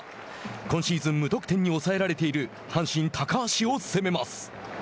今シーズン無得点に抑えられている阪神、高橋を攻めます。